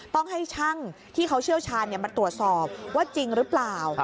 ต้องให้ช่างที่เขาเชี่ยวชาญมาตรวจสอบว่าจริงหรือเปล่า